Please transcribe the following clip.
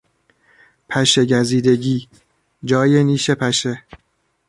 پشه گزیدگی، جای نیش پشه